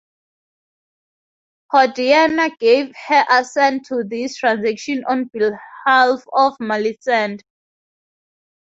Hodierna gave her assent to this transaction on behalf of Melisende.